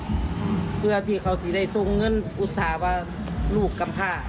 เพื่อที่เขาจะได้ส่งเงินอุตส่าห์ว่าลูกกำพา